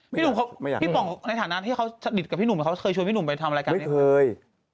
พี่ป๋องในฐานะที่เขาสนิทกับพี่หนุ่มเขาเคยชวนพี่หนุ่มไปทำรายการไหม